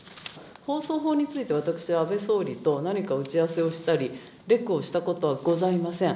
放送法について、私、安倍総理と何か打ち合わせをしたり、レクをしたことはございません。